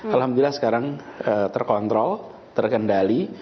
alhamdulillah sekarang terkontrol terkendali